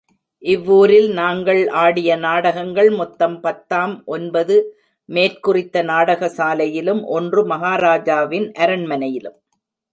இவ்வூரில் நாங்கள் ஆடிய நாடகங்கள் மொத்தம் பத்தாம் ஒன்பது மேற்குறித்த நாடகசாலையிலும், ஒன்று மகாராஜாவின் அரண்மனையிலும்.